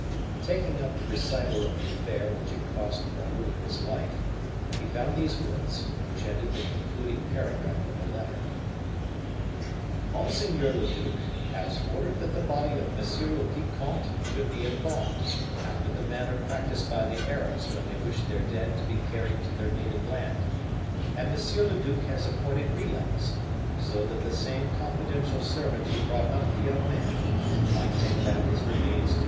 Taking up the recital of the affair which had cost Raoul his life, he found these words, which ended the concluding paragraph of the letter: "Monseigneur le duc has ordered that the body of monsieur le vicomte should be embalmed, after the manner practiced by the Arabs when they wish their dead to be carried to their native land; and monsieur le duc has appointed relays, so that the same confidential servant who brought up the young man might take back his remains to M.